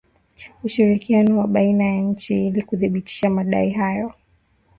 Ushirikiano wa baina ya nchi ili kuthibitisha madai hayo